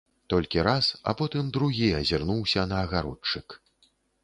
Толькі раз, а потым другі азірнуўся на агародчык.